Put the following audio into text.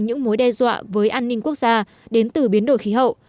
những mối đe dọa với an ninh quốc gia đến từ biến đổi khí hậu